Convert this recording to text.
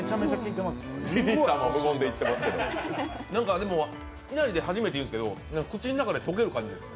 いなりで初めて言うんですけど、口の中で溶ける感じです。